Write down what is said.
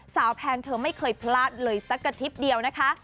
แพนเธอไม่เคยพลาดเลยสักกระทริปเดียวนะคะ